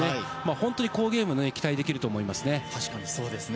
本当に好ゲームが期待できると思いますね。